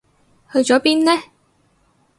去咗邊呢？